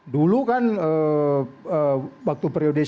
dulu kan waktu periode